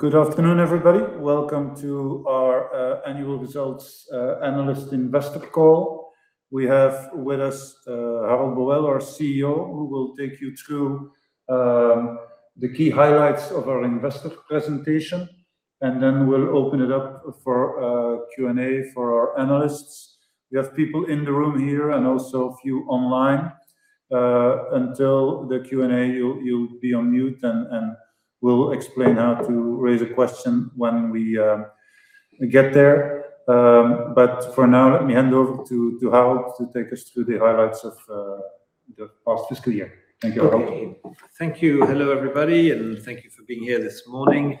Good afternoon, everybody. Welcome to our Annual Results Analyst Investor Call. We have with us Harold Boël, our CEO, who will take you through the key highlights of our investor presentation, and then we'll open it up for a Q&A for our analysts. We have people in the room here and also a few online. Until the Q&A, you'll be on mute, and we'll explain how to raise a question when we get there. For now, let me hand over to Harold to take us through the highlights of the past fiscal year. Thank you. Harold? Okay. Thank you. Hello, everybody, and thank you for being here this morning.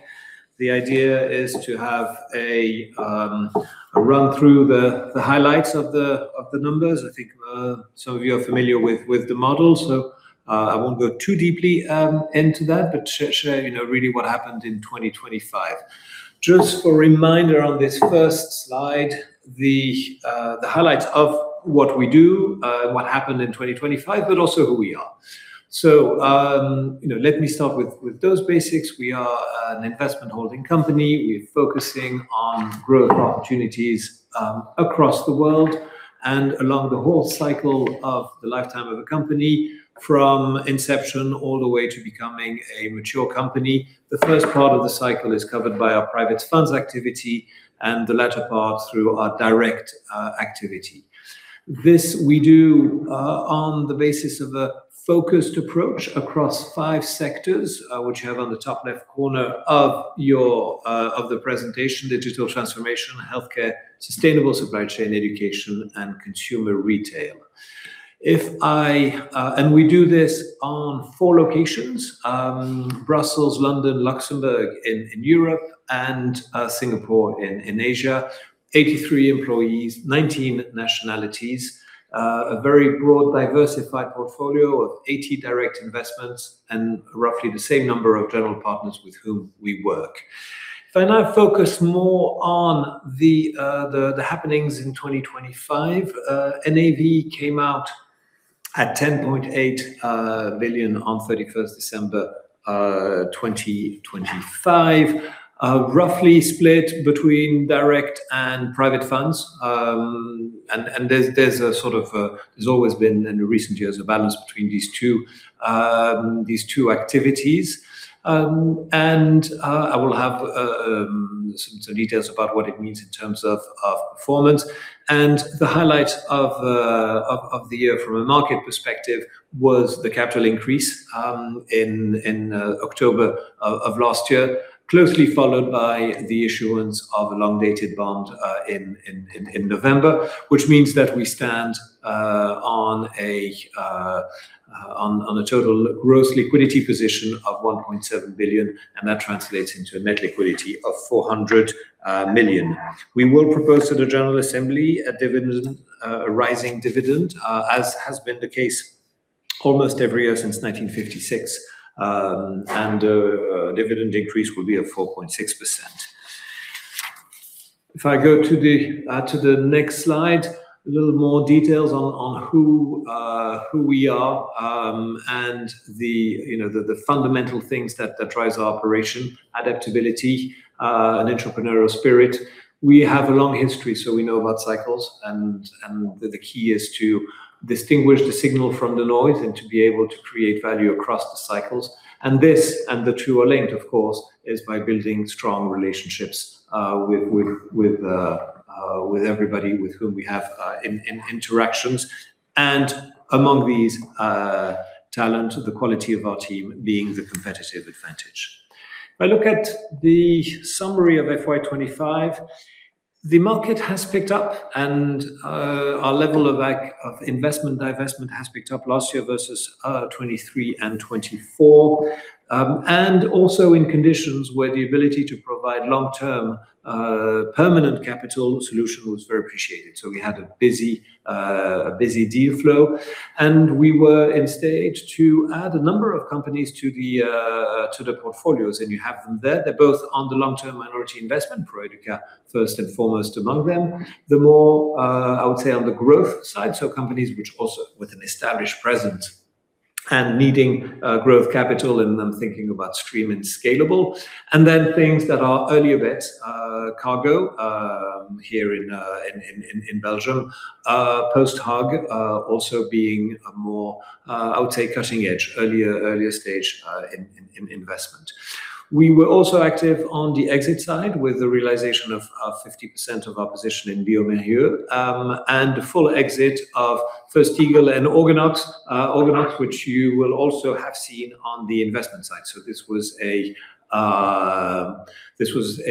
The idea is to have a run through the highlights of the numbers. I think some of you are familiar with the model, so I won't go too deeply into that, but share, you know, really what happened in 2025. Just for reminder on this first slide, the highlights of what we do and what happened in 2025, but also who we are. You know, let me start with those basics. We are an investment holding company. We're focusing on growth opportunities across the world and along the whole cycle of the lifetime of a company, from inception all the way to becoming a mature company. The first part of the cycle is covered by our private funds activity and the latter part through our direct activity. This we do on the basis of a focused approach across five sectors, which you have on the top left corner of the presentation: digital transformation, healthcare, sustainable supply chain, education, and consumer retail. We do this on four locations, Brussels, London, Luxembourg in Europe and Singapore in Asia. 83 employees, 19 nationalities. A very broad, diversified portfolio of 80 direct investments and roughly the same number of general partners with whom we work. If I now focus more on the happenings in 2025, NAV came out at 10.8 billion on 31st December 2025. Roughly split between direct and private funds. There's always been in recent years a balance between these two activities. I will have some details about what it means in terms of performance. The highlight of the year from a market perspective was the capital increase in October of last year. Closely followed by the issuance of a long-dated bond in November, which means that we stand on a total gross liquidity position of 1.7 billion, and that translates into a net liquidity of 400 million. We will propose to the general assembly a dividend, a rising dividend, as has been the case almost every year since 1956, and dividend increase will be at 4.6%. If I go to the next slide, a little more details on who we are, and the, you know, the fundamental things that drives our operation, adaptability, an entrepreneurial spirit. We have a long history, so we know about cycles and the key is to distinguish the signal from the noise and to be able to create value across the cycles. This and the two are linked, of course, is by building strong relationships, with everybody with whom we have interactions. Among these, talent, the quality of our team being the competitive advantage. If I look at the summary of FY 2025, the market has picked up and our level of investment and divestment has picked up last year versus 2023 and 2024. Also in conditions where the ability to provide long-term permanent capital solution was very appreciated. We had a busy deal flow. We were in stage to add a number of companies to the portfolios, and you have them there. They're both on the long-term minority investment, Proeduca first and foremost among them. The more, I would say on the growth side, so companies which also with an established presence and needing growth capital and them thinking about stream and scalable. Things that are earlier bets, Qargo here in Belgium. PostHog also being a more, I would say, cutting-edge, earlier stage investment. We were also active on the exit side with the realization of 50% of our position in bioMérieux, and the full exit of First Eagle and OrganOx. OrganOx which you will also have seen on the investment side. This was a,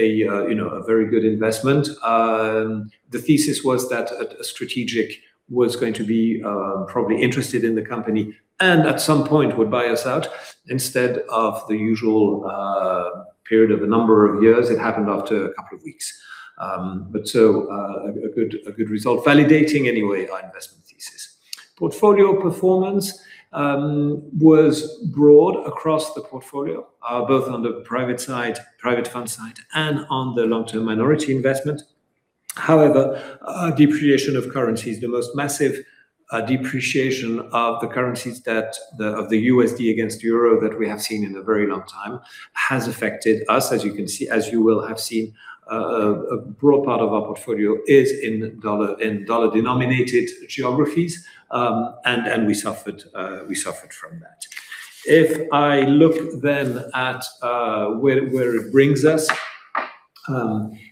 you know, a very good investment. The thesis was that a strategic was going to be probably interested in the company and at some point would buy us out instead of the usual period of a number of years. It happened after a couple of weeks. A good result validating anyway our investment thesis. Portfolio performance was broad across the portfolio, both on the private side, private fund side, and on the long-term minority investment. However, depreciation of currencies, the most massive depreciation of the currencies of the USD against euro that we have seen in a very long time has affected us, as you can see. As you will have seen, a broad part of our portfolio is in dollar, in dollar-denominated geographies, and we suffered from that. If I look then at where it brings us,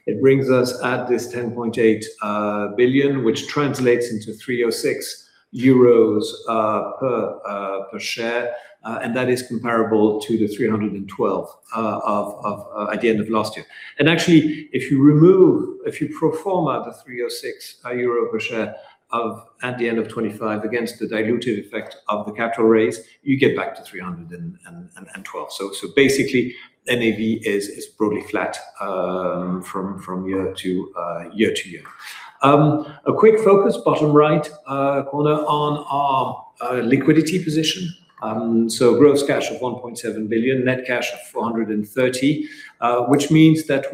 it brings us at this 10.8 billion, which translates into 306 euros per share, and that is comparable to the 312 at the end of last year. Actually, if you pro forma the 306 euro per share at the end of 2025 against the dilutive effect of the capital raise, you get back to 312. Basically NAV is broadly flat from year to year. A quick focus, bottom right corner on our liquidity position. Gross cash of 1.7 billion, net cash of 430 million, which means that,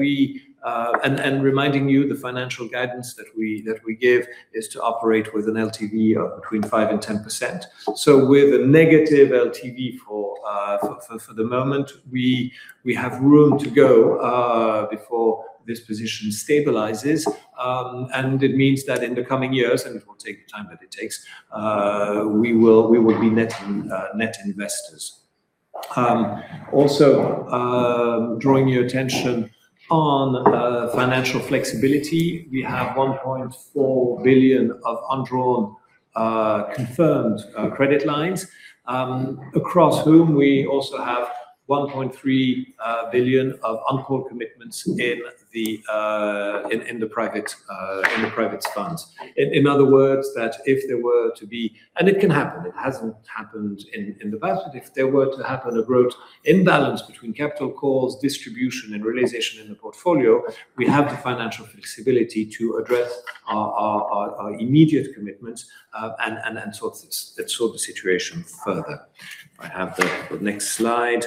reminding you the financial guidance that we give is to operate with an LTV of between 5% and 10%. With a negative LTV for the moment, we have room to go before this position stabilizes. It means that in the coming years, and it will take the time that it takes, we will be net investors. Also, drawing your attention on financial flexibility, we have 1.4 billion of undrawn confirmed credit lines, and we also have 1.3 billion of uncalled commitments in the private funds. In other words, that if there were to be, and it can happen, it hasn't happened in the past, but if there were to happen a gross imbalance between capital calls, distribution, and realization in the portfolio, we have the financial flexibility to address our immediate commitments, and sort the situation further. If I have the next slide.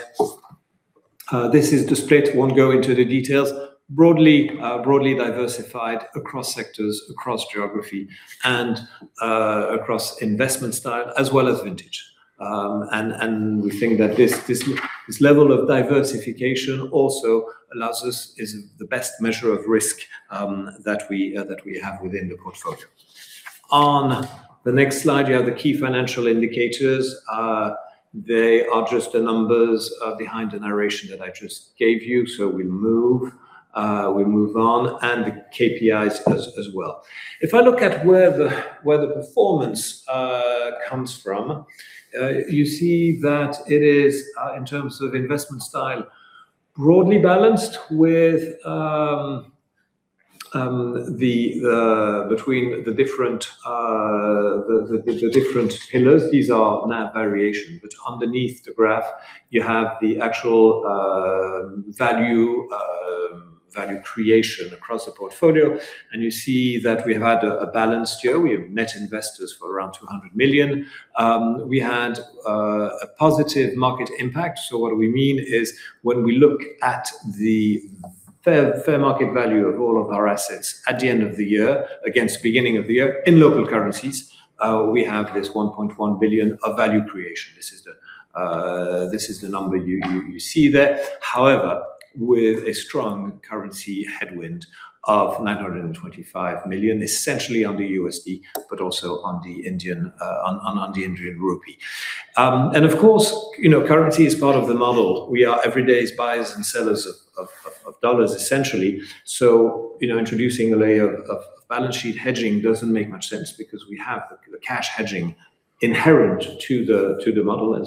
This is the split. Won't go into the details. Broadly diversified across sectors, across geography, and across investment style as well as vintage. We think that this level of diversification also allows us is the best measure of risk, that we have within the portfolio. On the next slide, you have the key financial indicators. They are just the numbers behind the narration that I just gave you. We move on and the KPIs as well. If I look at where the performance comes from, you see that it is in terms of investment style broadly balanced between the different pillars. These are NAV variation, but underneath the graph you have the actual value creation across the portfolio, and you see that we have had a balanced year. We have net inflows for around 200 million. We had a positive market impact. What we mean is when we look at the fair market value of all of our assets at the end of the year against beginning of the year in local currencies, we have this 1.1 billion of value creation. This is the number you see there. However, with a strong currency headwind of 925 million, essentially on the USD, but also on the Indian rupee. Of course, you know, currency is part of the model. We are every day's buyers and sellers of dollars, essentially. You know, introducing a layer of balance sheet hedging doesn't make much sense because we have the cash hedging inherent to the model.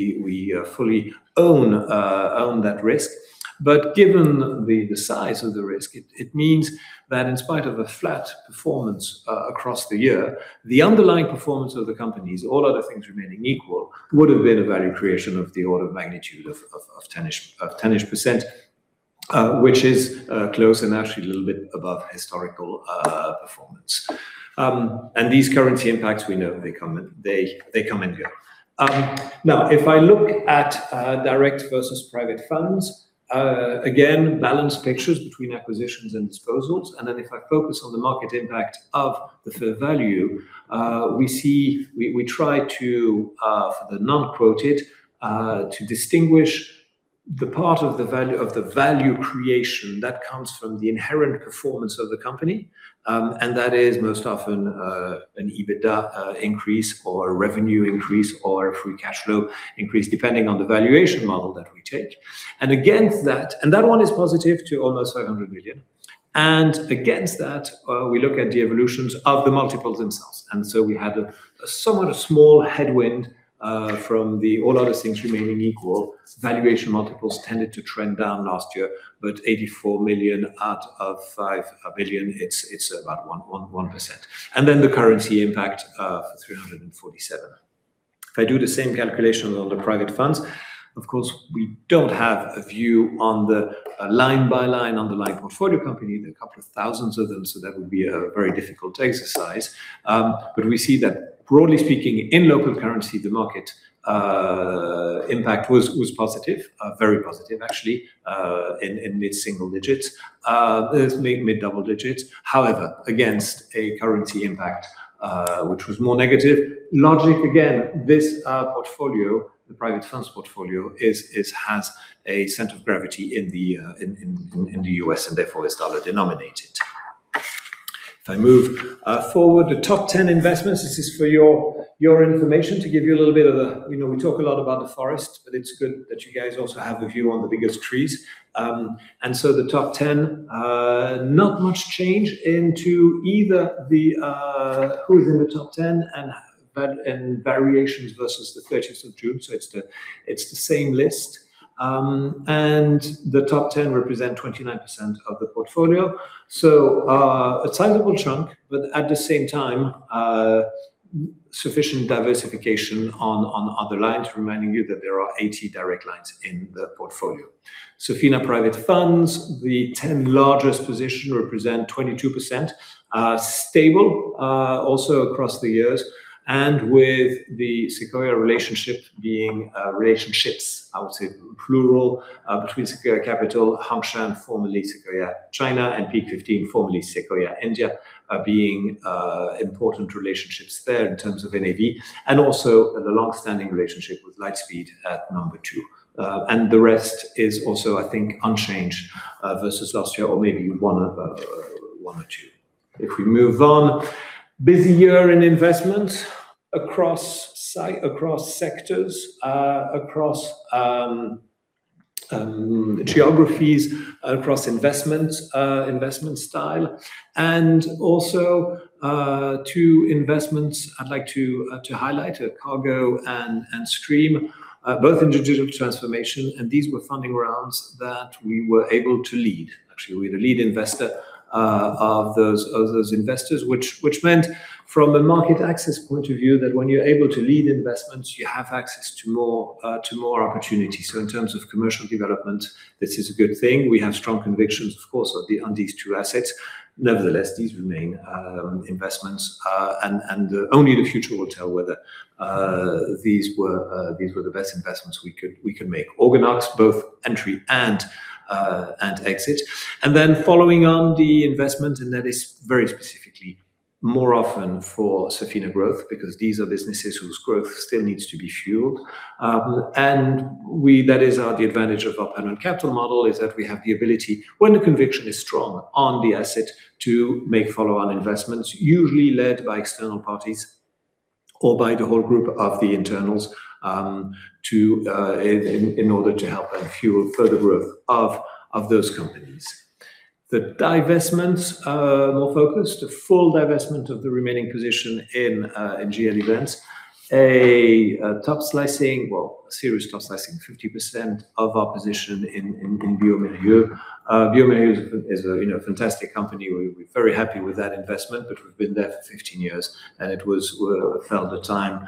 We fully own that risk. Given the size of the risk, it means that in spite of a flat performance across the year, the underlying performance of the companies, all other things remaining equal, would have been a value creation of the order of magnitude of 10-ish%. Which is close and actually a little bit above historical performance. These currency impacts, we know they come and they come and go. Now, if I look at direct versus private funds, again, balanced pictures between acquisitions and disposals. Then if I focus on the market impact of the fair value, we see we try to for the non-quoted to distinguish the part of the value creation that comes from the inherent performance of the company. That is most often an EBITDA increase or revenue increase or free cash flow increase, depending on the valuation model that we take. Against that one is positive to almost 100 million. Against that, we look at the evolutions of the multiples themselves. We had a somewhat small headwind from all other things remaining equal. Valuation multiples tended to trend down last year, but 84 million out of 5 billion, it's about 1.1%. The currency impact of 347. If I do the same calculation on the private funds, of course, we don't have a view on the line by line underlying portfolio company, there are a couple of thousands of them, so that would be a very difficult exercise. But we see that broadly speaking, in local currency, the market impact was positive, very positive actually, in mid-single digits. It's mid-double digits. However, against a currency impact, which was more negative. Logic again, this portfolio, the private funds portfolio has a center of gravity in the US and therefore is dollar denominated. If I move forward, the top ten investments, this is for your information to give you a little bit of the, you know, we talk a lot about the forest, but it's good that you guys also have a view on the biggest trees. The top ten, not much change into either the who's in the top ten and variations versus the 30th June. It's the same list. The top ten represent 29% of the portfolio. A sizable chunk, but at the same time, sufficient diversification on other lines, reminding you that there are 80 direct lines in the portfolio. Sofina Private Funds, the 10 largest position represent 22%. Stable also across the years and with the Sequoia relationships, I would say plural, between Sequoia Capital, HongShan, formerly Sequoia China, and Peak XV, formerly Sequoia India, being important relationships there in terms of NAV and also the long-standing relationship with Lightspeed at number two. The rest is also, I think, unchanged versus last year or maybe one or two. If we move on, busy year in investment across sectors, across geographies, across investment style, and also two investments I'd like to highlight are Qargo and Stream, both in digital transformation. These were funding rounds that we were able to lead. Actually, we're the lead investor of those investors which meant from a market access point of view, that when you're able to lead investments, you have access to more opportunities. In terms of commercial development, this is a good thing. We have strong convictions, of course, on these two assets. Nevertheless, these remain investments, and only the future will tell whether these were the best investments we could make. OrganOx, both entry and exit. Following on the investment, that is very specifically more often for Sofina Growth, because these are businesses whose growth still needs to be fueled. That is, the advantage of our permanent capital model is that we have the ability, when the conviction is strong on the asset, to make follow-on investments, usually led by external parties or by the whole group of the internals, to in order to help and fuel further growth of those companies. The divestments are more focused. A full divestment of the remaining position in GL events. A top slicing, well, serious top slicing, 50% of our position in bioMérieux. bioMérieux is a, you know, fantastic company. We're very happy with that investment, but we've been there for 15 years, and it felt the time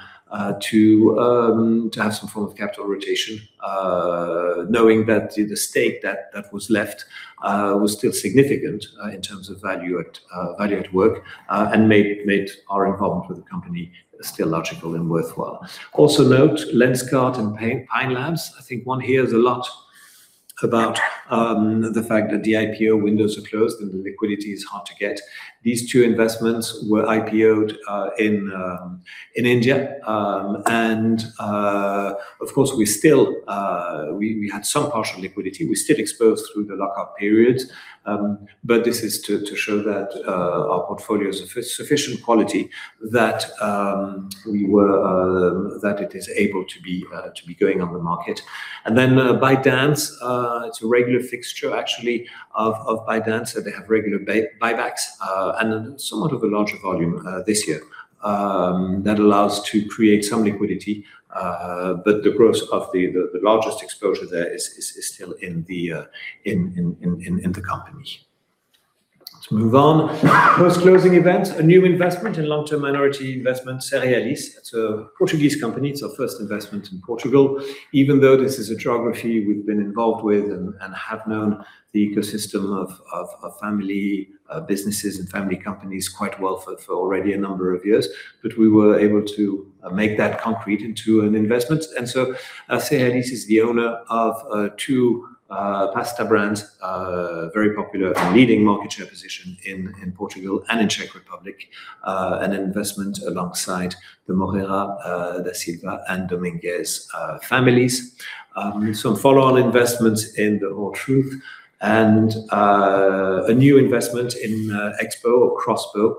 to have some form of capital rotation, knowing that the stake that was left was still significant in terms of value at work, and made our involvement with the company still logical and worthwhile. Also note, Lenskart and Pine Labs. I think one hears a lot about the fact that the IPO windows are closed and the liquidity is hard to get. These two investments were IPO'd in India. Of course, we still had some partial liquidity. We're still exposed through the lock-up periods. This is to show that our portfolio is of sufficient quality that it is able to be going on the market. ByteDance it's a regular fixture actually of ByteDance. They have regular buybacks and somewhat of a larger volume this year that allows to create some liquidity. The gross of the largest exposure there is still in the company. Let's move on. Post-closing events. A new investment in long-term minority investment, Cerealis. It's a Portuguese company. It's our first investment in Portugal. Even though this is a geography we've been involved with and have known the ecosystem of family businesses and family companies quite well for already a number of years. We were able to make that concrete into an investment. Cerealis is the owner of two pasta brands, very popular and leading market share position in Portugal and Czech Republic. An investment alongside the Moreira da Silva and Dominguez families. Some follow-on investments in the Alltruth and a new investment in XBOW.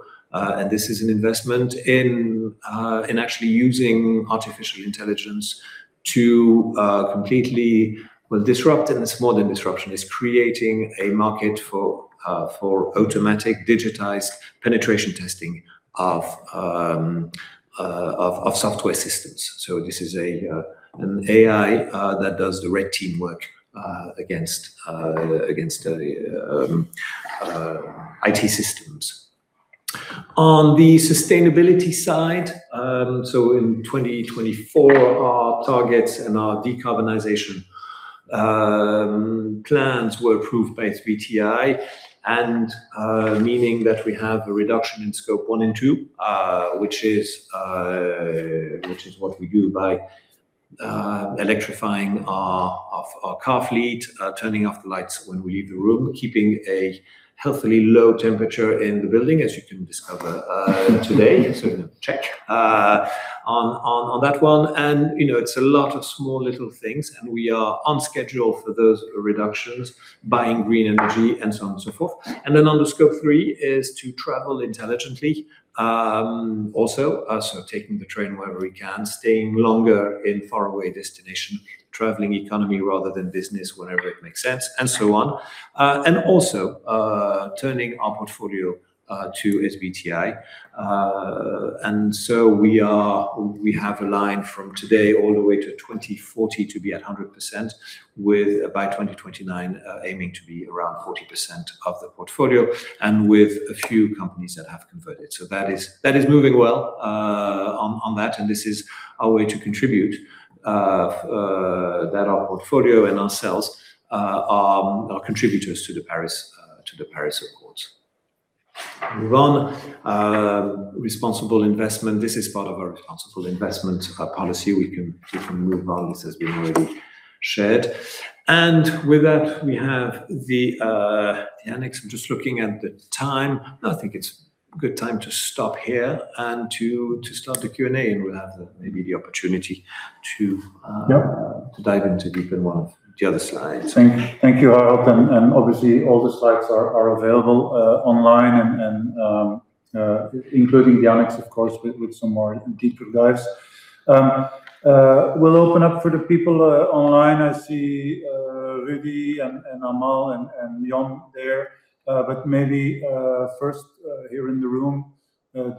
This is an investment in actually using artificial intelligence to completely disrupt, and it's more than disruption. It's creating a market for automatic digitized penetration testing of software systems. This is an AI that does the red team work against IT systems. On the sustainability side, in 2024, our targets and our decarbonization plans were approved by SBTi, meaning that we have a reduction in Scope 1 and 2, which is what we do by electrifying our car fleet, turning off the lights when we leave the room, keeping a healthily low temperature in the building, as you can discover today. Check on that one. You know, it's a lot of small little things, and we are on schedule for those reductions, buying green energy and so on and so forth. Then on the Scope 3 is to travel intelligently also. Taking the train wherever we can, staying longer in faraway destination, traveling economy rather than business whenever it makes sense, and so on. Also turning our portfolio to SBTi. We are, we have a line from today all the way to 2040 to be at 100% with by 2029 aiming to be around 40% of the portfolio and with a few companies that have converted. That is moving well on that. This is our way to contribute that our portfolio and ourselves are contributors to the Paris Agreement. Move on. Responsible investment. This is part of our responsible investment policy. We can move on. This has been already shared. With that, we have the annex. I'm just looking at the time. I think it's a good time to stop here and to start the Q&A. We'll have maybe the opportunity to dive into deeper one of the other slides. Thank you, Harold. Obviously, all the slides are available online and including the annex, of course, with some more deeper dives. We'll open up for the people online. I see Rudy and Amal and Leon there. But maybe first here in the room,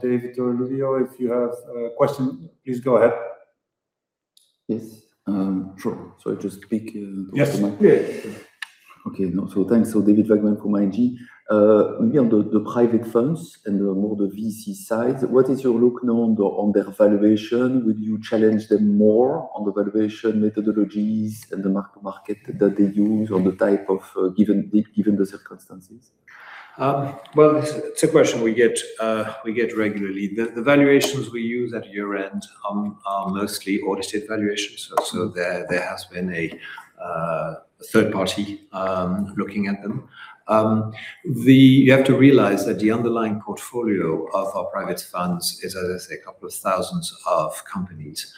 David or Livio, if you have a question, please go ahead. Yes, sure. Just speak into the mic? Yes, please. Okay. No, thanks. David Vagman from ING. Maybe on the private funds and more the VC side, what is your look now on their valuation? Would you challenge them more on the valuation methodologies and the market that they use on the types given the circumstances? Well, it's a question we get regularly. The valuations we use at year end are mostly audited valuations. There has been a third party looking at them. You have to realize that the underlying portfolio of our private funds is, as I say, a couple of thousands of companies.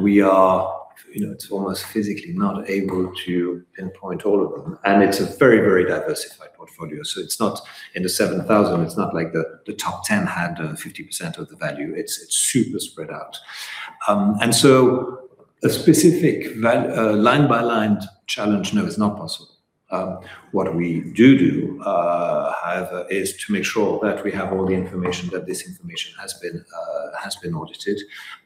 We are, you know, it's almost physically not able to pinpoint all of them. It's a very, very diversified portfolio. It's not in the 7,000. It's not like the top 10 had 50% of the value. It's super spread out. A specific line by line challenge, no, is not possible. What we do do, however, is to make sure that we have all the information, that this information has been audited,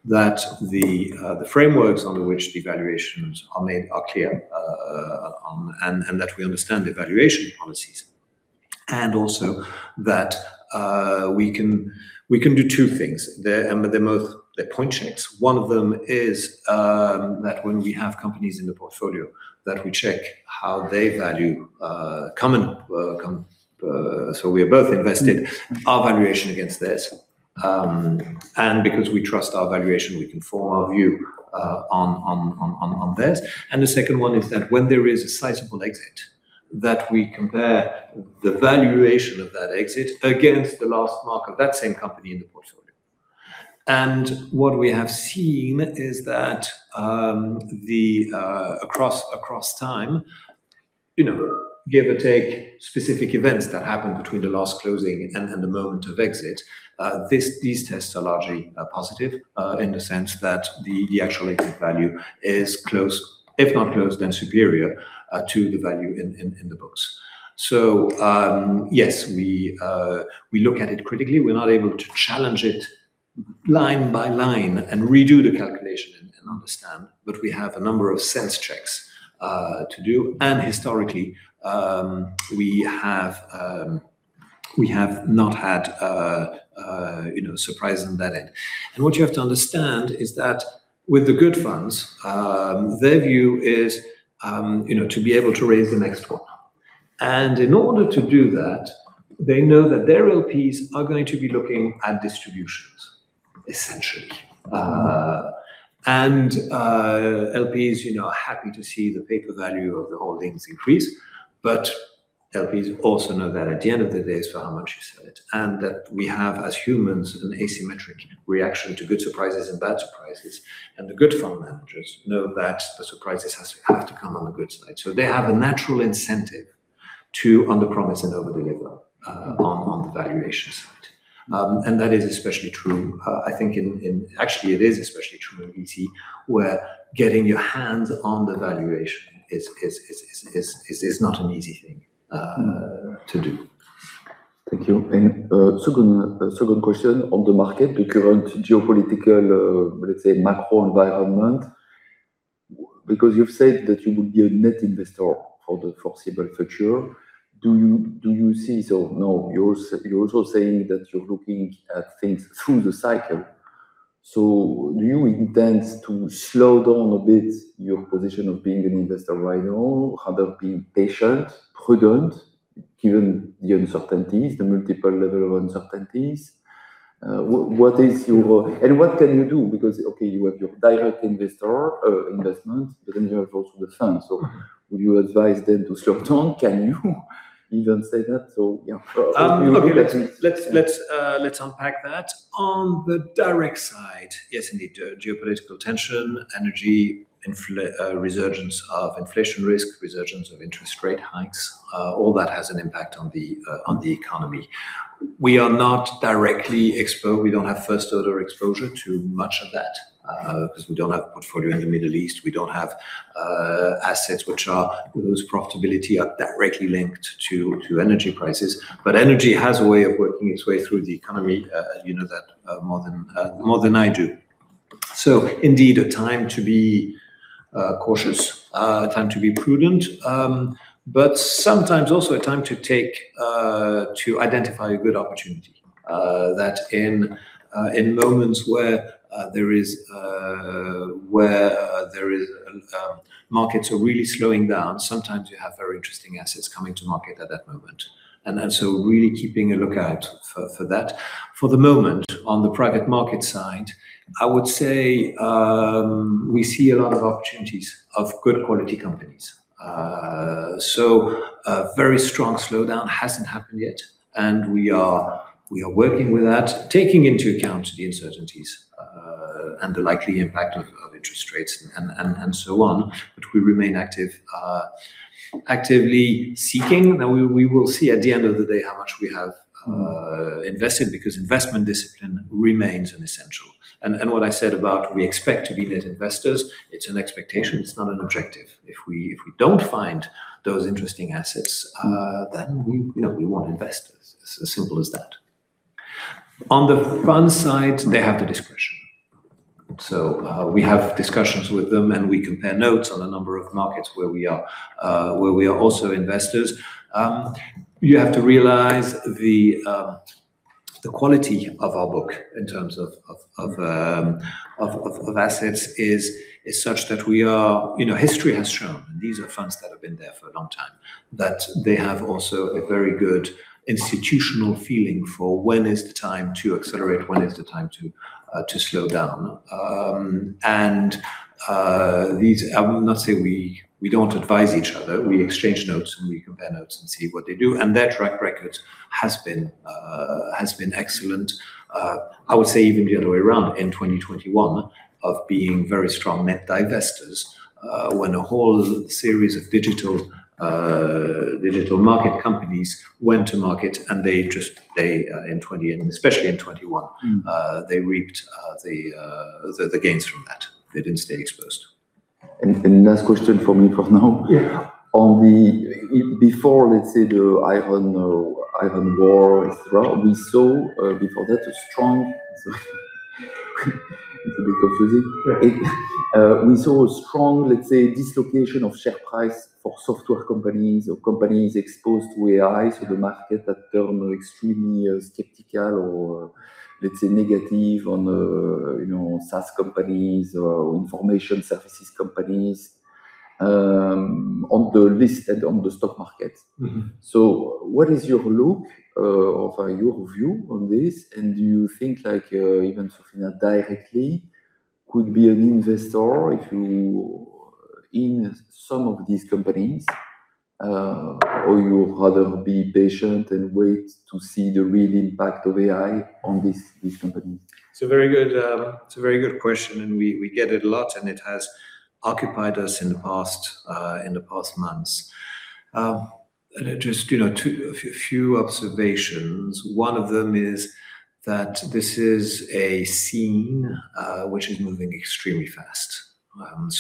that the frameworks under which the valuations are made are clear, and that we understand the valuation policies. Also that we can do two things. They're point checks. One of them is that when we have companies in the portfolio, that we check how they value common. We are both invested our valuation against theirs. Because we trust our valuation, we can form our view on theirs. The second one is that when there is a sizable exit, that we compare the valuation of that exit against the last mark of that same company in the portfolio. What we have seen is that across time, you know, give or take specific events that happen between the last closing and the moment of exit, these tests are largely positive in the sense that the actual exit value is close, if not close, then superior to the value in the books. Yes, we look at it critically. We're not able to challenge it line by line and redo the calculation and understand, but we have a number of sense checks to do. Historically, we have not had, you know, surprises on that end. What you have to understand is that with the good funds, their view is, you know, to be able to raise the next one. In order to do that, they know that their LPs are going to be looking at distributions, essentially. LPs, you know, are happy to see the paper value of the holdings increase, but LPs also know that at the end of the day, it's for how much you sell it. That we have, as humans, an asymmetric reaction to good surprises and bad surprises. The good fund managers know that the surprises have to come on the good side. They have a natural incentive to underpromise and overdeliver on the valuation side. That is especially true, I think, actually it is especially true in VC, where getting your hands on the valuation is not an easy thing to do. Thank you. Second question on the market, the current geopolitical, let's say, macro environment. Because you've said that you would be a net investor for the foreseeable future. You're also saying that you're looking at things through the cycle. Do you intend to slow down a bit your position of being an investor right now, rather being patient, prudent, given the uncertainties, the multiple level of uncertainties? What is your... What can you do? Because okay, you have your direct investment, but then you have also the funds. Would you advise them to slow down? Can you even say that? Yeah. Okay. Let's unpack that. On the direct side, yes, indeed, geopolitical tension, resurgence of inflation risk, resurgence of interest rate hikes, all that has an impact on the economy. We are not directly exposed. We don't have first-order exposure to much of that, because we don't have a portfolio in the Middle East. We don't have assets whose profitability are directly linked to energy prices. Energy has a way of working its way through the economy. You know that more than I do. Indeed, a time to be cautious, a time to be prudent, but sometimes also a time to identify a good opportunity. That in moments where markets are really slowing down, sometimes you have very interesting assets coming to market at that moment. Really keeping a lookout for that. For the moment, on the private market side, I would say we see a lot of opportunities of good quality companies. So a very strong slowdown hasn't happened yet, and we are working with that, taking into account the uncertainties and the likely impact of interest rates and so on. We remain active, actively seeking. Now we will see at the end of the day how much we have invested, because investment discipline remains an essential. What I said about we expect to be net investors, it's an expectation, it's not an objective. If we don't find those interesting assets, then we, you know, we won't invest. It's as simple as that. On the fund side, they have the discretion. We have discussions with them, and we compare notes on a number of markets where we are also investors. You have to realize the quality of our book in terms of assets is such that we are. You know, history has shown, and these are funds that have been there for a long time, that they have also a very good institutional feeling for when is the time to accelerate, when is the time to slow down. I will not say we don't advise each other. We exchange notes, and we compare notes and see what they do. Their track record has been excellent. I would say even the other way around, in 2021, of being very strong net divestors, when a whole series of digital market companies went to market, and they in 2020, and especially in 2021. Mm-hmm They reaped the gains from that. They didn't stay exposed. Last question from me for now. Yeah. Before, let's say, the Ukraine war, et cetera, we saw before that a strong. It's a bit confusing. Right. We saw a strong, let's say, dislocation of share price for software companies or companies exposed to AI. The market turned extremely skeptical or, let's say, negative on, you know, SaaS companies or information services companies, on the stock market. Mm-hmm. What is your look, or your view on this? Do you think, like, even Sofina directly could be an investor if you in some of these companies? Or you would rather be patient and wait to see the real impact of AI on these companies? It's a very good question, and we get it a lot, and it has occupied us in the past months. Just, you know, a few observations. One of them is that this is a scene which is moving extremely fast.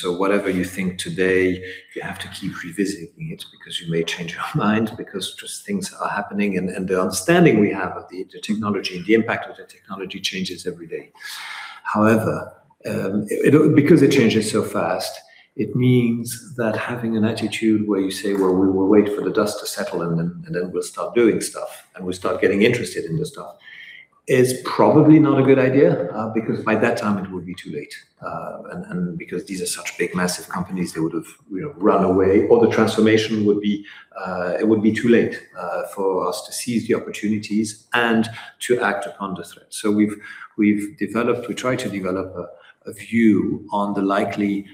Whatever you think today, you have to keep revisiting it because you may change your mind because just things are happening, and the understanding we have of the technology and the impact of the technology changes every day. However, because it changes so fast, it means that having an attitude where you say, "Well, we will wait for the dust to settle and then we'll start doing stuff, and we'll start getting interested in the stuff," is probably not a good idea, because by that time it would be too late. Because these are such big, massive companies, they would have, you know, run away or the transformation would be too late for us to seize the opportunities and to act upon the threat. We try to develop a view on the likely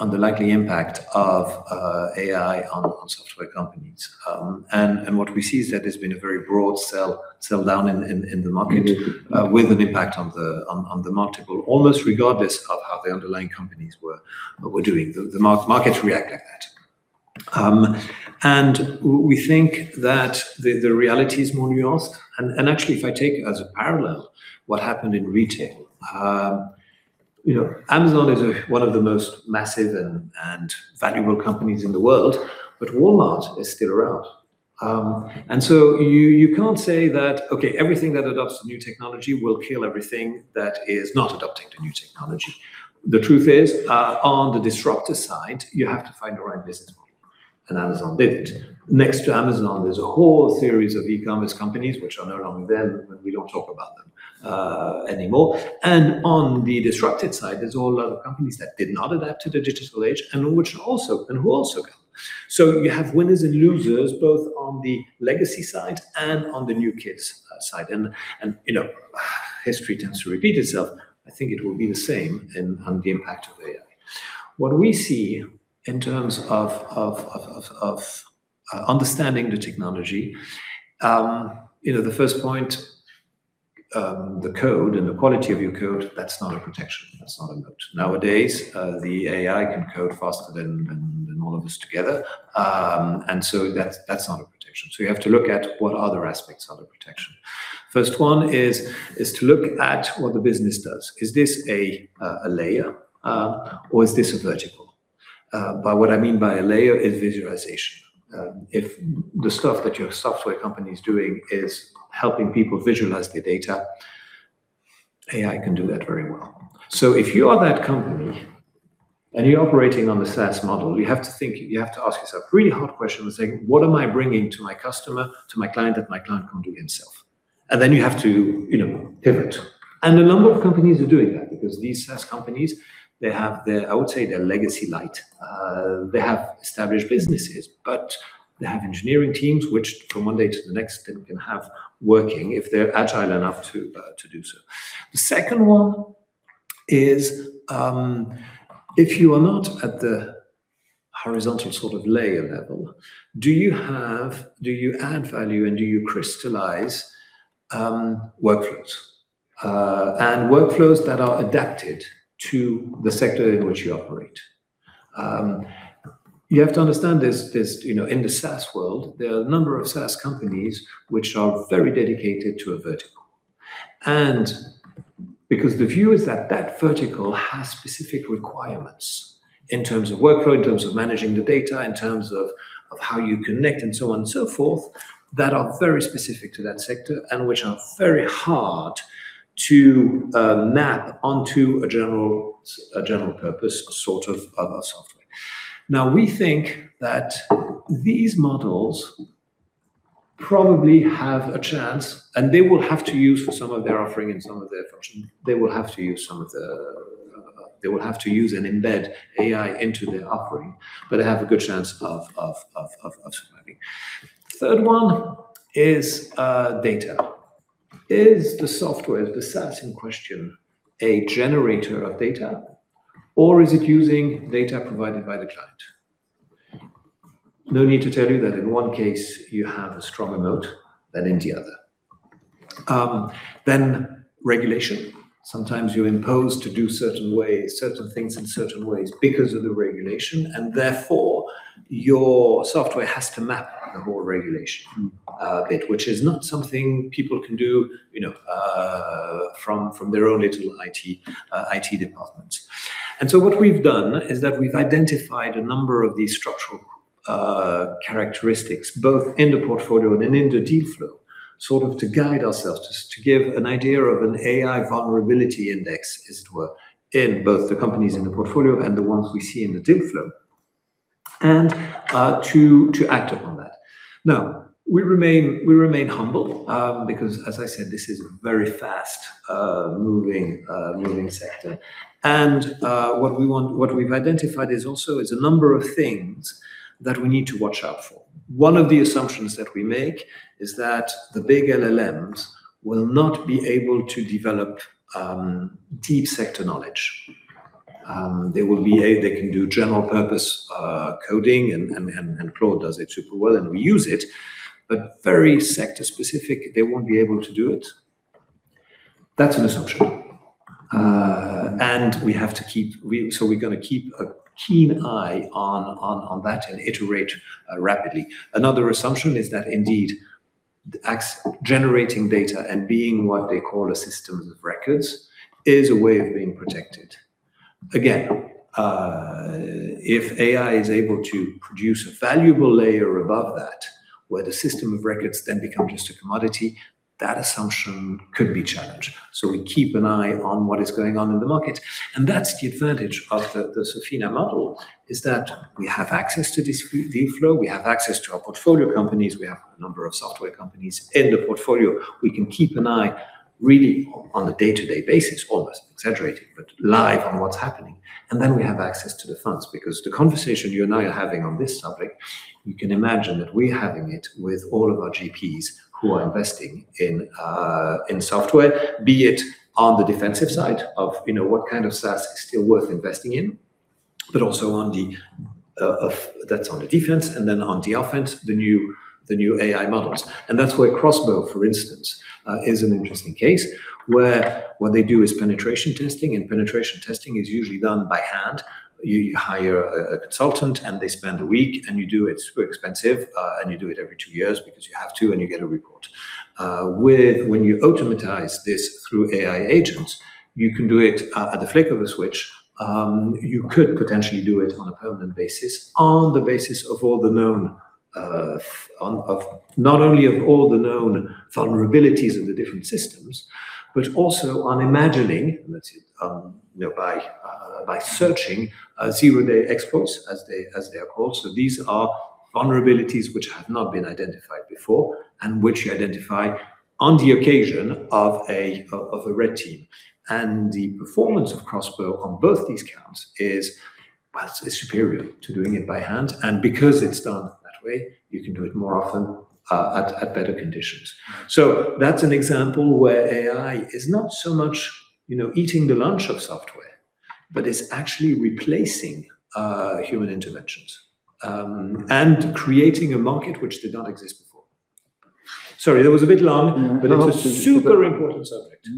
impact of AI on software companies. What we see is that there's been a very broad sell down in the market. With an impact on the multiple, almost regardless of how the underlying companies were doing. The markets react like that. We think that the reality is more nuanced. Actually if I take as a parallel what happened in retail, you know, Amazon is one of the most massive and valuable companies in the world, but Walmart is still around. You can't say that, okay, everything that adopts new technology will kill everything that is not adopting the new technology. The truth is, on the disruptor side, you have to find the right business model, and Amazon did. Next to Amazon, there's a whole series of e-commerce companies which are no longer there, and we don't talk about them anymore. On the disrupted side, there's all other companies that did not adapt to the digital age and who also went. You have winners and losers both on the legacy side and on the new kids side. You know, history tends to repeat itself. I think it will be the same in on the impact of AI. What we see in terms of understanding the technology, you know, the first point, the code and the quality of your code, that's not a protection. That's not a moat. Nowadays, the AI can code faster than all of us together. That's not a protection. You have to look at what other aspects are the protection. First one is to look at what the business does. Is this a layer or is this a vertical? By what I mean by a layer is visualization. If the stuff that your software company is doing is helping people visualize their data, AI can do that very well. If you are that company, and you're operating on the SaaS model, you have to think, you have to ask yourself really hard question and say, "What am I bringing to my customer, to my client that my client can't do himself?" Then you have to, you know, pivot. A number of companies are doing that because these SaaS companies, they have their, I would say, their legacy light. They have established businesses, but they have engineering teams which from one day to the next, they can have working if they're agile enough to do so. The second one is, if you are not at the horizontal sort of layer level, do you add value, and do you crystallize workflows that are adapted to the sector in which you operate? You have to understand this, you know, in the SaaS world, there are a number of SaaS companies which are very dedicated to a vertical. Because the view is that that vertical has specific requirements in terms of workflow, in terms of managing the data, in terms of how you connect, and so on and so forth, that are very specific to that sector and which are very hard to map onto a general-purpose sort of other software. Now, we think that these models probably have a chance, and they will have to use for some of their offering and some of their function. They will have to use and embed AI into their offering, but they have a good chance of surviving. Third one is data. Is the software, the SaaS in question, a generator of data, or is it using data provided by the client? No need to tell you that in one case you have a stronger moat than in the other. Then regulation. Sometimes you impose to do certain things in certain ways because of the regulation, and therefore, your software has to map the whole regulation bit, which is not something people can do, you know, from their own little IT department. What we've done is that we've identified a number of these structural characteristics, both in the portfolio and in the deal flow, sort of to guide ourselves, to give an idea of an AI vulnerability index, as it were, in both the companies in the portfolio and the ones we see in the deal flow, and to act upon that. Now, we remain humble because as I said, this is a very fast moving sector. What we've identified is also a number of things that we need to watch out for. One of the assumptions that we make is that the big LLMs will not be able to develop deep sector knowledge. They can do general purpose coding and Claude does it super well, and we use it. Very sector specific, they won't be able to do it. That's an assumption. We're gonna keep a keen eye on that and iterate rapidly. Another assumption is that indeed generating data and being what they call a system of records is a way of being protected. Again, if AI is able to produce a valuable layer above that, where the system of records then becomes just a commodity, that assumption could be challenged. We keep an eye on what is going on in the market. That's the advantage of the Sofina model, is that we have access to this deal flow, we have access to our portfolio companies, we have a number of software companies in the portfolio. We can keep an eye really on a day-to-day basis, almost exaggerated, but live on what's happening. We have access to the funds because the conversation you and I are having on this topic, you can imagine that we're having it with all of our GPs who are investing in software, be it on the defensive side of what kind of SaaS is still worth investing in, but also on the offense, the new AI models. That's where XBOW, for instance, is an interesting case, where what they do is penetration testing, and penetration testing is usually done by hand. You hire a consultant, and they spend a week, and you do it super expensive, and you do it every two years because you have to, and you get a report. Whereas, when you automate this through AI agents, you can do it at the flick of a switch. You could potentially do it on a permanent basis on the basis of all the known, of not only of all the known vulnerabilities of the different systems, but also on imagining, let's say, you know, by searching zero-day exploits as they are called. These are vulnerabilities which have not been identified before and which you identify on the occasion of a red team. The performance of XBOW on both these counts is, well, it's superior to doing it by hand, and because it's done that way, you can do it more often at better conditions. That's an example where AI is not so much, you know, eating the lunch of software, but it's actually replacing human interventions and creating a market which did not exist before. Sorry, that was a bit long. No, no. It's a super important subject.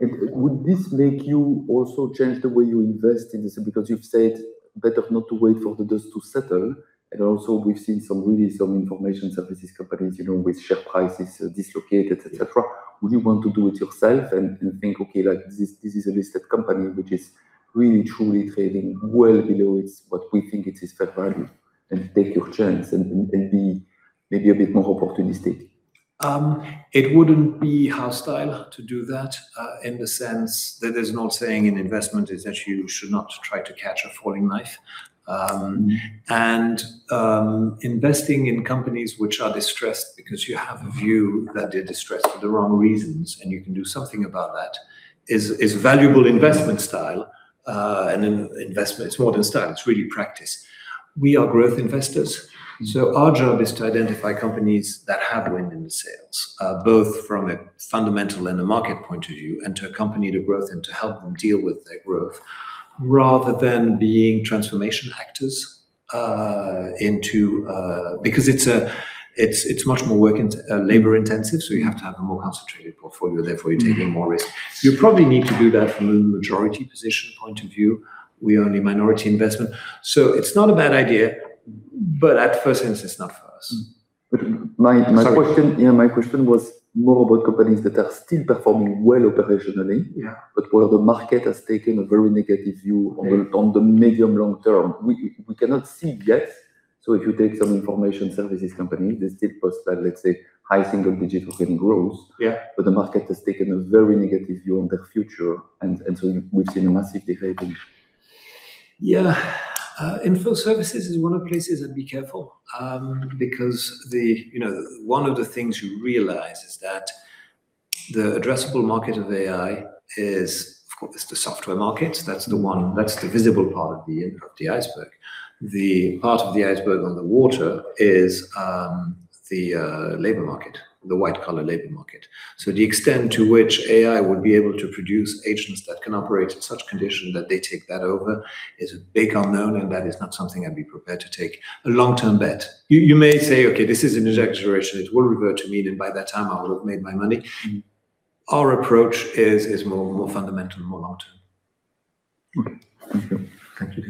Would this make you also change the way you invest in this? Because you've said better not to wait for the dust to settle, and also we've seen some really information services companies, you know, with share prices dislocated, et cetera. Would you want to do it yourself and think, "Okay, like this is a listed company which is really truly trading well below its what we think it is fair value," and take your chance and be maybe a bit more opportunistic? It wouldn't be our style to do that, in the sense that there's an old saying in investment is that you should not try to catch a falling knife. Investing in companies which are distressed because you have a view that they're distressed for the wrong reasons, and you can do something about that is a valuable investment style. In investment, it's more than style, it's really practice. We are growth investors, so our job is to identify companies that have wind in the sails, both from a fundamental and a market point of view, and to accompany the growth and to help them deal with their growth rather than being transformation actors, into. Because it's much more work, labor intensive, so you have to have a more concentrated portfolio, therefore you're taking more risk. You probably need to do that from a majority position point of view. We are only a minority investment. It's not a bad idea, but at first instance, it's not for us. My question. Sorry. Yeah, my question was more about companies that are still performing well operationally. Yeah Where the market has taken a very negative view on the medium long term. We cannot see yet, so if you take some information services company, they still post, let's say high single-digit percent growth- Yeah The market has taken a very negative view on their future and so we've seen a massive decline. Yeah. Info services is one of the places I'd be careful because you know, one of the things you realize is that the addressable market of AI is, of course, it's the software market. That's the one, that's the visible part of the end of the iceberg. The part of the iceberg on the water is the labor market, the white-collar labor market. So the extent to which AI would be able to produce agents that can operate in such condition that they take that over is a big unknown, and that is not something I'd be prepared to take a long-term bet. You may say, "Okay, this is an exaggeration. It will revert to mean, and by that time I will have made my money." Our approach is more fundamental, more long term. Okay. Thank you. Thank you.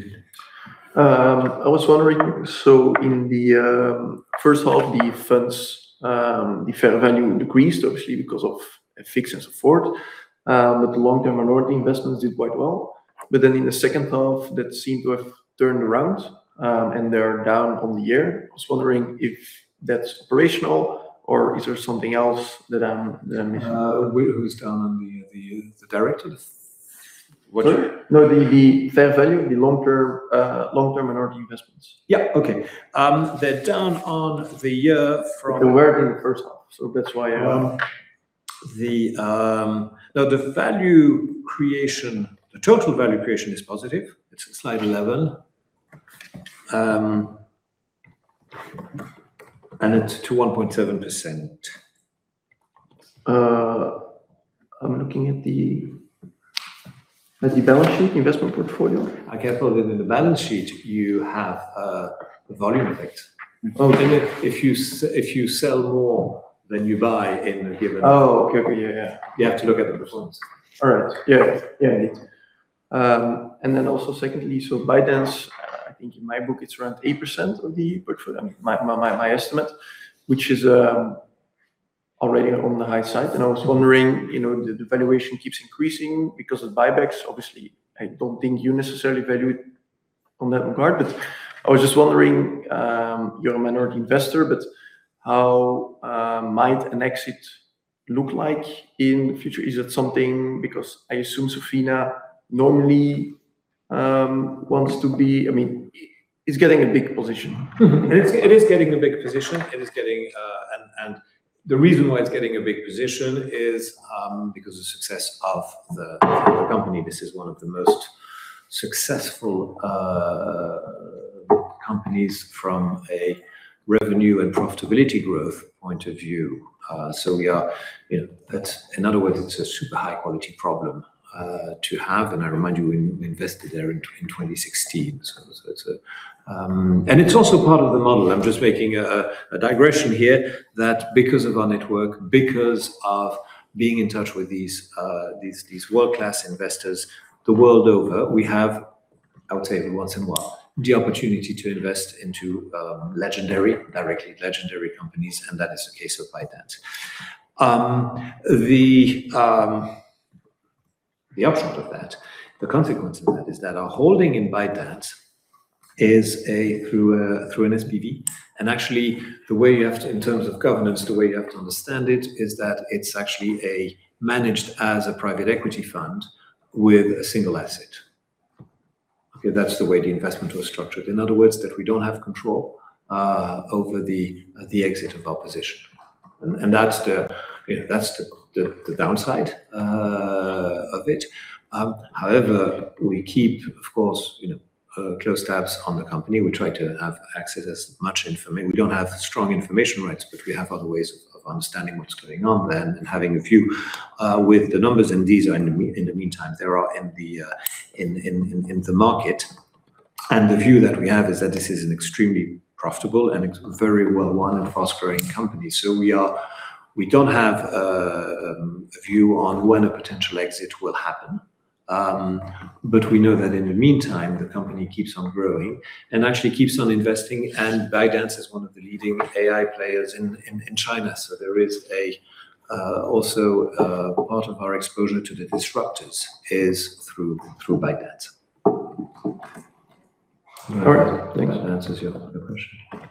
I was wondering, so in the first half, the funds, the fair value decreased obviously because of FX and so forth, but the long-term minority investments did quite well. In the second half, that seemed to have turned around, and they're down on the year. I was wondering if that's operational or is there something else that I'm missing? Who's down on the directors? No, the fair value, the long-term minority investments. Yeah. Okay. They're down on the year from- They were in the first half, so that's why I. The value creation, the total value creation is positive. It's slightly level. It's to 1.7%. I'm looking at the balance sheet, investment portfolio. Careful that in the balance sheet you have, the volume effect. Oh, okay. If you sell more than you buy in a given Oh, okay. Yeah, yeah. You have to look at the performance. All right. Yeah. Yeah, indeed. Secondly, ByteDance, I think in my book it's around 8% of the portfolio, my estimate, which is already on the high side. I was wondering, you know, the valuation keeps increasing because of buybacks. Obviously, I don't think you necessarily value it in that regard. I was just wondering, you're a minority investor, but how might an exit look like in the future? Is that something? Because I assume Sofina normally wants to be. I mean, it's getting a big position. It is getting a big position. The reason why it's getting a big position is because of success of the company. This is one of the most successful companies from a revenue and profitability growth point of view. That's, in other words, it's a super high quality problem to have, and I remind you, we invested there in 2016. It's also part of the model. I'm just making a digression here that because of our network, because of being in touch with these world-class investors the world over, we have, I would say every once in a while, the opportunity to invest into legendary companies, and that is the case with ByteDance. The upshot of that, the consequence of that is that our holding in ByteDance is through an SPV. Actually, the way you have to understand it in terms of governance is that it's actually managed as a private equity fund with a single asset. Okay. That's the way the investment was structured. In other words, we don't have control over the exit of our position. That's the downside of it, you know. However, we keep close tabs on the company, of course, you know. We try to have access to as much information. We don't have strong information rights, but we have other ways of understanding what's going on there and having a view with the numbers and these are in the meantime they are in the market. The view that we have is that this is an extremely profitable and very well run and fast-growing company. We don't have a view on when a potential exit will happen, but we know that in the meantime, the company keeps on growing and actually keeps on investing, and ByteDance is one of the leading AI players in China. There is also a part of our exposure to the disruptors is through ByteDance. All right. Thanks. If that answers your other question.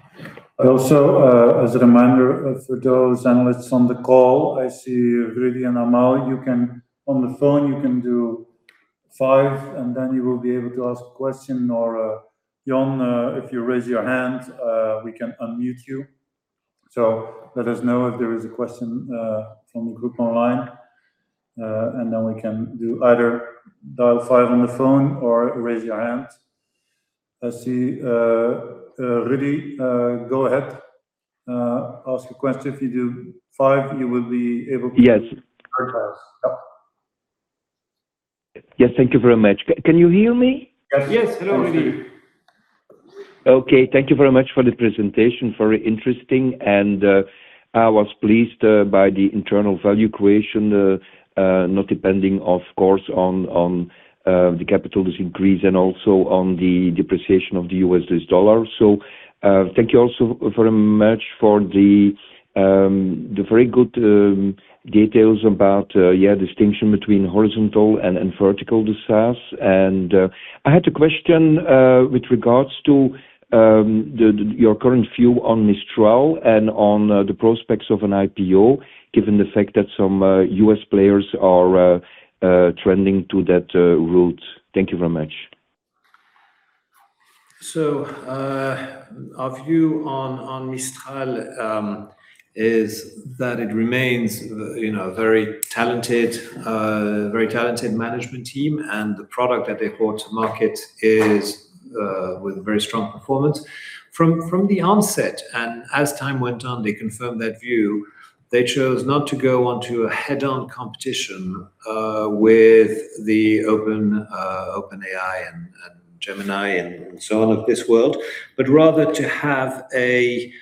Also, as a reminder, for those analysts on the call, I see Rudy and Amal, on the phone you can do five, and then you will be able to ask a question or, John, if you raise your hand, we can unmute you. Let us know if there is a question from the group online, and then we can do either dial five on the phone or raise your hand. I see Rudy, go ahead, ask your question. If you do five, you will be able to- Yes. Can you hear us? Yeah. Yes. Thank you very much. Can you hear me? Yes. Hello, Rudy. Okay. Thank you very much for the presentation. Very interesting. I was pleased by the internal value creation not depending, of course, on the capital increase and also on the depreciation of the US dollar. Thank you also very much for the very good details about distinction between horizontal and vertical discounts. I had a question with regards to your current view on Mistral and on the prospects of an IPO, given the fact that some US players are tending to that route. Thank you very much. Our view on Mistral is that it remains, you know, very talented management team, and the product that they brought to market is with very strong performance. From the onset, and as time went on, they confirmed that view. They chose not to go onto a head-on competition with OpenAI and Gemini and so on of this world. Rather to have a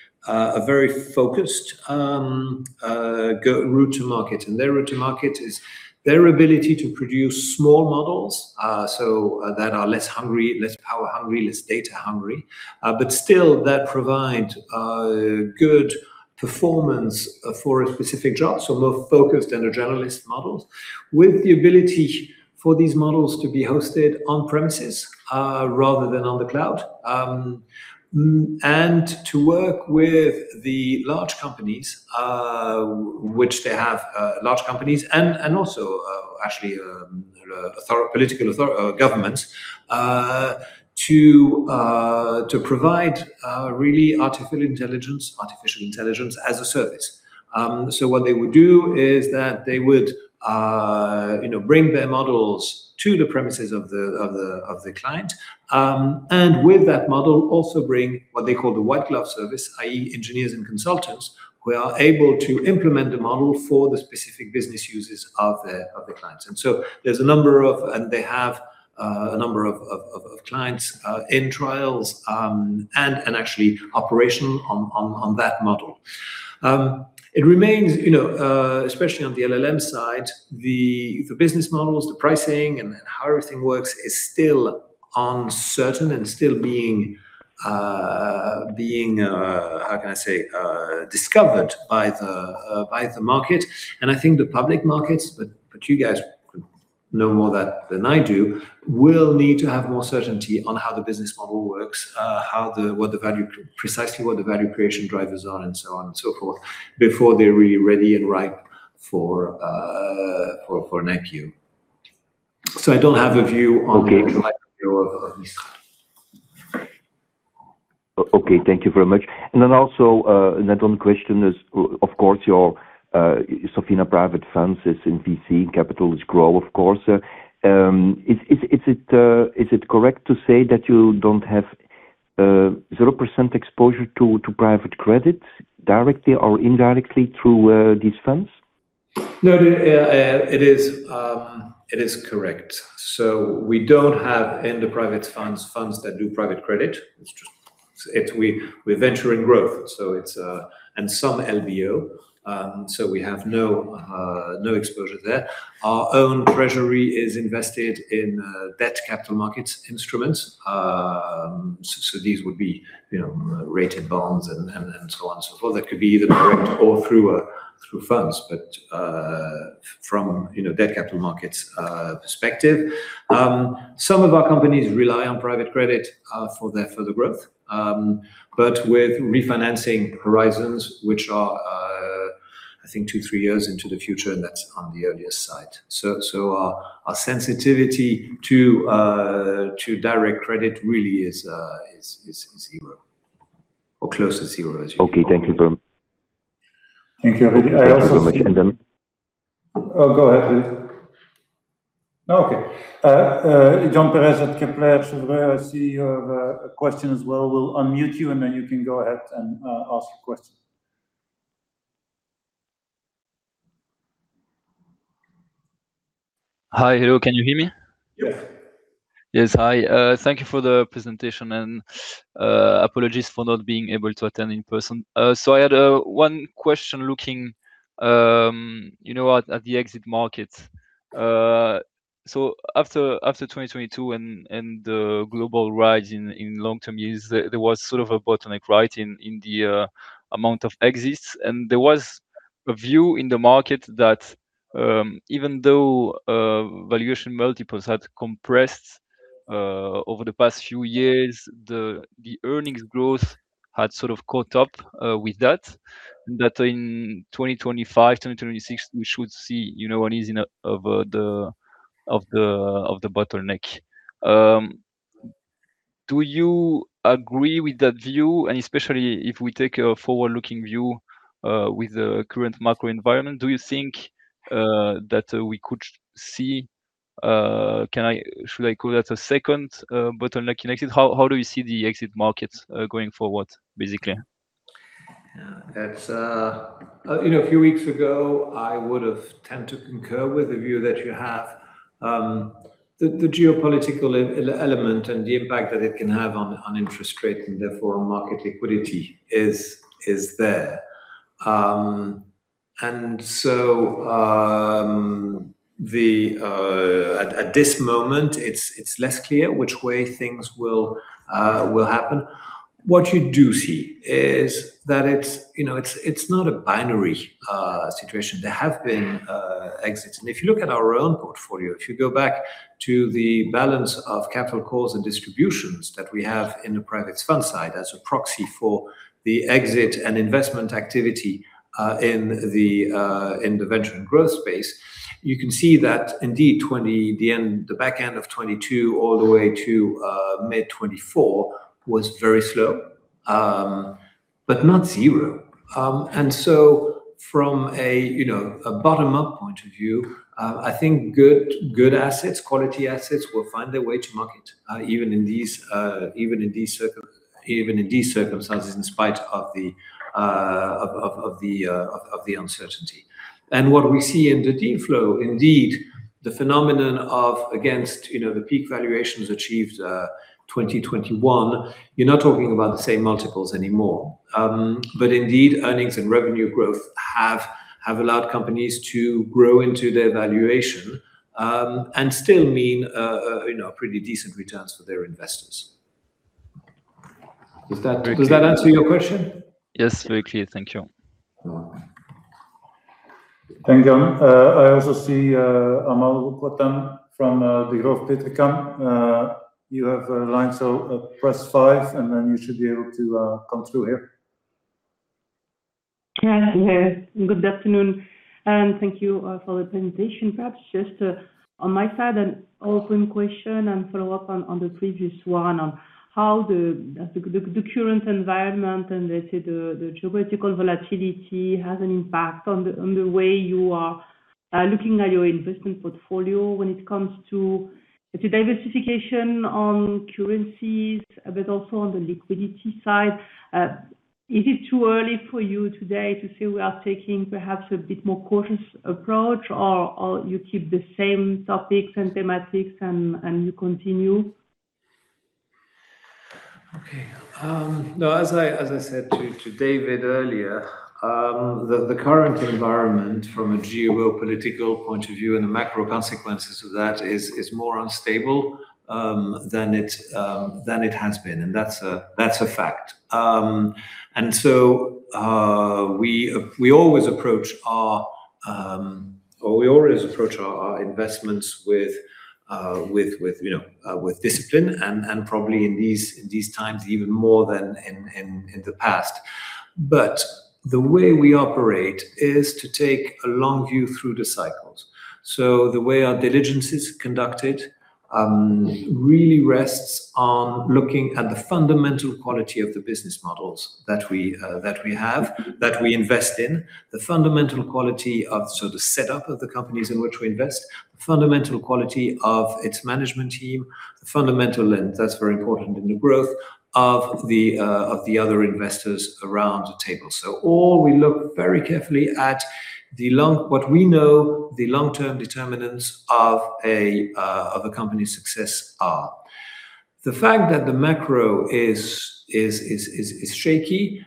very focused route to market. Their route to market is their ability to produce small models that are less hungry, less power hungry, less data hungry, but still that provide good performance for a specific job, so more focused than generalist models. With the ability for these models to be hosted on premises rather than on the cloud. To work with the large companies which they have and also actually governments to provide really artificial intelligence as a service. What they would do is that they would you know bring their models to the premises of the client. With that model also bring what they call the white glove service, i.e., engineers and consultants who are able to implement the model for the specific business uses of their clients. There's a number of clients in trials and actually operational on that model. It remains, you know, especially on the LLM side, the business models, the pricing, and how everything works is still uncertain and still being discovered by the market. I think the public markets, but you guys know more about that than I do, will need to have more certainty on how the business model works, precisely what the value creation drivers are and so on and so forth, before they're really ready and ripe for an IPO. I don't have a view on- Okay. the IQ of Mistral. Okay. Thank you very much. Another question is, of course, your Sofina Private Funds is in VC and growth capital, of course. Is it correct to say that you don't have 0% exposure to private credit directly or indirectly through these funds? No, it is correct. We don't have in the private funds funds that do private credit. It's just we venture in growth and some LBO, so we have no exposure there. Our own treasury is invested in debt capital markets instruments. These would be, you know, rated bonds and so on and so forth. That could be either direct or through funds, but from, you know, debt capital markets perspective. Some of our companies rely on private credit for their further growth, but with refinancing horizons, which are, I think, two, three years into the future, and that's on the earliest side. Our sensitivity to direct credit really is zero, or close to zero as you know. Okay. Thank you. Thank you. I also see- Thank you very much. Oh, go ahead, please. Okay. Jon Pérez at Kepler Cheuvreux, I see you have a question as well. We'll unmute you, and then you can go ahead and ask your question. Hi. Hello. Can you hear me? Yeah. Yes. Hi. Thank you for the presentation and apologies for not being able to attend in person. I had one question looking, you know, at the exit market. After 2022 and the global rise in long-term yields, there was sort of a bottleneck, right, in the amount of exits. There was a view in the market that even though valuation multiples had compressed over the past few years, the earnings growth had sort of caught up with that in 2025, 2026, we should see, you know, an easing of the bottleneck. Do you agree with that view? Especially if we take a forward-looking view, with the current macro environment, do you think that we could see, should I call that a second bottleneck in exit? How do you see the exit market going forward, basically? Yeah. That's, you know, a few weeks ago, I would have tend to concur with the view that you have. The geopolitical element and the impact that it can have on interest rates and therefore on market liquidity is there. At this moment it's less clear which way things will happen. What you do see is that it's, you know, it's not a binary situation. There have been exits. If you look at our own portfolio, if you go back to the balance of capital calls and distributions that we have in the private fund side as a proxy for the exit and investment activity in the venture and growth space, you can see that indeed 20... The back end of 2022 all the way to mid-2024 was very slow, but not zero. From a, you know, a bottom-up point of view, I think good assets, quality assets will find their way to market, even in these circumstances in spite of the uncertainty. What we see in the deal flow, indeed, the phenomenon of against, you know, the peak valuations achieved in 2021, you're not talking about the same multiples anymore. But indeed, earnings and revenue growth have allowed companies to grow into their valuation, and still mean, you know, pretty decent returns for their investors. Does that answer your question? Yes. Very clear. Thank you. You are welcome. Thank you. I also see Amal Aboulkhouatem from Degroof Petercam. You have a line, so press five, and then you should be able to come through here. Yeah. Good afternoon, and thank you for the presentation. Perhaps just on my side, an open question and follow-up on the previous one on how the current environment and let's say the geopolitical volatility has an impact on the way you are looking at your investment portfolio when it comes to diversification on currencies, but also on the liquidity side. Is it too early for you today to say we are taking perhaps a bit more cautious approach or you keep the same topics and thematics and you continue? Okay. No, as I said to David earlier, the current environment from a geopolitical point of view and the macro consequences of that is more unstable than it has been, and that's a fact. We always approach our investments with you know, discipline and probably in these times even more than in the past. The way we operate is to take a long view through the cycles. The way our diligence is conducted really rests on looking at the fundamental quality of the business models that we invest in, the fundamental quality of the setup of the companies in which we invest, the fundamental quality of its management team, the fundamental strength, that's very important, and the growth of the other investors around the table. We look very carefully at what we know the long-term determinants of a company's success are. The fact that the macro is shaky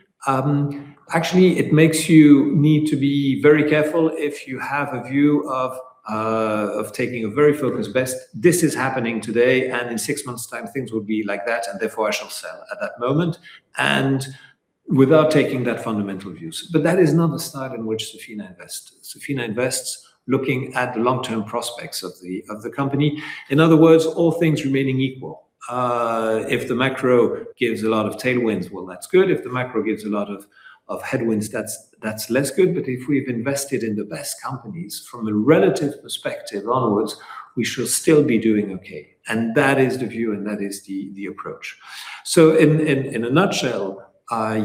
actually makes you need to be very careful if you have a view of taking a very focused bet. This is happening today, and in six months' time things will be like that, and therefore I shall sell at that moment. Without taking that fundamental views. That is not the style in which Sofina invests. Sofina invests looking at the long-term prospects of the company. In other words, all things remaining equal. If the macro gives a lot of tailwinds, well, that's good. If the macro gives a lot of headwinds, that's less good. If we've invested in the best companies from a relative perspective onwards, we should still be doing okay. That is the view and that is the approach. In a nutshell,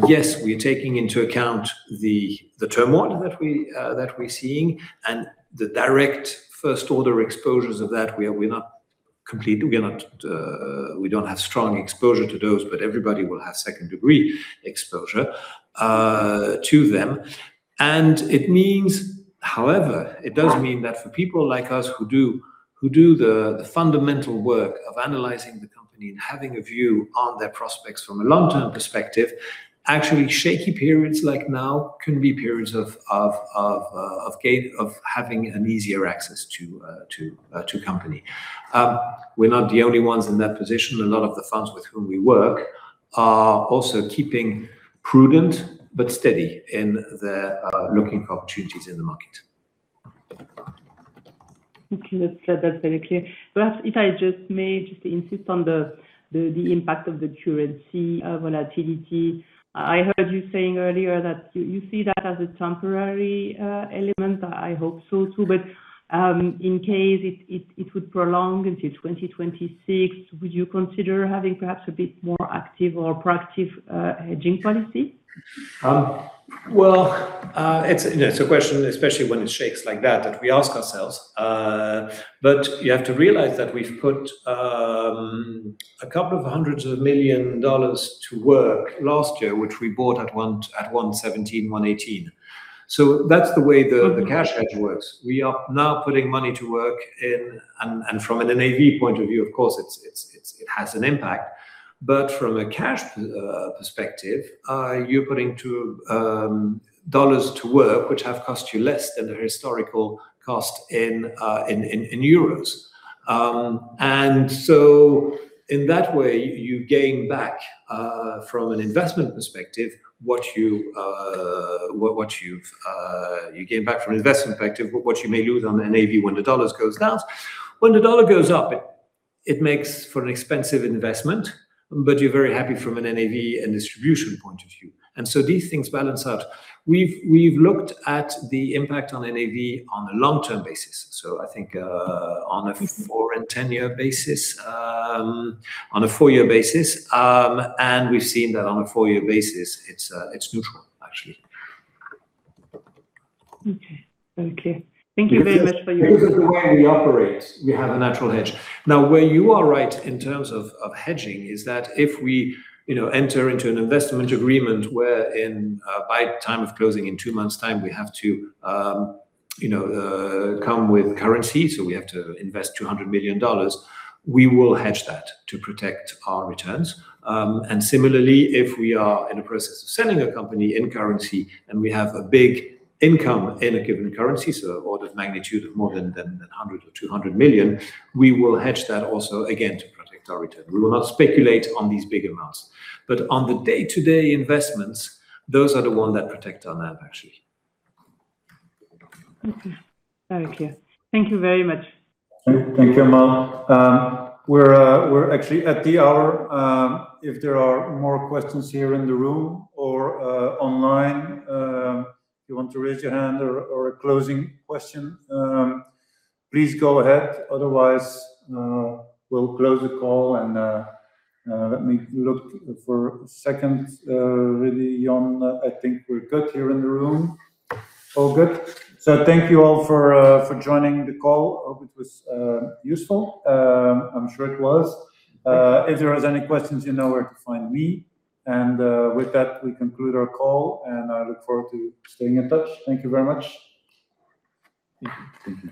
yes, we're taking into account the turmoil that we're seeing and the direct first order exposures of that. We're not completely, we don't have strong exposure to those, but everybody will have second-degree exposure to them. It means, however, it does mean that for people like us who do the fundamental work of analyzing the company and having a view on their prospects from a long-term perspective, actually shaky periods like now can be periods of gain, of having an easier access to company. We're not the only ones in that position. A lot of the funds with whom we work are also keeping prudent but steady in their looking for opportunities in the market. Okay. That's clear. That's very clear. Perhaps if I just may just insist on the impact of the currency volatility. I heard you saying earlier that you see that as a temporary element. I hope so too. In case it would prolong until 2026, would you consider having perhaps a bit more active or proactive hedging policy? Well, it's, you know, a question, especially when it shakes like that we ask ourselves. You have to realize that we've put $200 million to work last year, which we bought at 1.17, 1.18. That's the way the cash hedge works. We are now putting money to work. From an NAV point of view, of course it has an impact. From a cash perspective, you're putting $2 to work, which have cost you less than the historical cost in euros. In that way, you gain back from an investment perspective what you may lose on NAV when the dollar goes down. When the dollar goes up, it makes for an expensive investment, but you're very happy from an NAV and distribution point of view. These things balance out. We've looked at the impact on NAV on a long-term basis, so I think on a four and 10-year basis, and we've seen that on a four-year basis it's neutral actually. Okay. Thank you very much for your. This is the way we operate. We have a natural hedge. Now, where you are right in terms of of hedging is that if we, you know, enter into an investment agreement wherein by time of closing in two months' time, we have to, you know, come with currency, so we have to invest $200 million, we will hedge that to protect our returns. And similarly, if we are in a process of selling a company in a currency and we have a big income in a given currency, so order of magnitude of more than 100 or 200 million, we will hedge that also again to protect our return. We will not speculate on these big amounts. On the day-to-day investments, those are the ones that protect our NAV actually. Okay. Thank you. Thank you very much. Thank you, Amal. We're actually at the hour. If there are more questions here in the room or online, if you want to raise your hand or a closing question, please go ahead. Otherwise, we'll close the call and let me look for a second. Really, John, I think we're good here in the room. All good. Thank you all for joining the call. Hope it was useful. I'm sure it was. If there is any questions, you know where to find me. With that, we conclude our call, and I look forward to staying in touch. Thank you very much. Thank you.